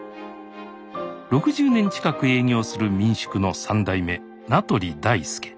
６０年近く営業する民宿の３代目名取大介。